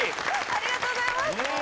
ありがとうございます。